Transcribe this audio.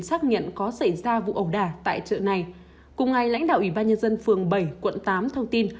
xác nhận có xảy ra vụ ẩu đả tại chợ này cùng ngày lãnh đạo ủy ban nhân dân phường bảy quận tám thông tin